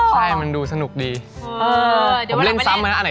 ชวนพี่เก่าไปเล่นได้นะ